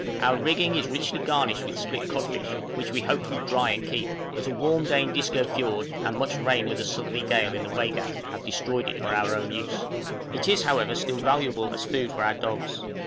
Our rigging is richly garnished with split codfish, which we hoped would dry and keep; but a warm day in Disco Fiord, and much rain with a southerly gale in the Waigat, have destroyed it for our own use. It is however still valuable as food for our dogs.